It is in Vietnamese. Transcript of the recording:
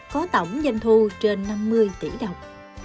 có tổng danh thu trên năm mươi tỷ đồng